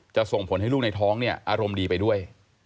จะส่งผลให้ลูกในท้องอารมณ์ดีไปด้วย